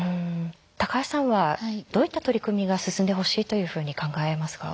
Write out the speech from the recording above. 高橋さんはどういった取り組みが進んでほしいというふうに考えますか？